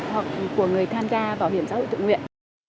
hoặc của người tham gia bảo hiểm xã hội tự nguyện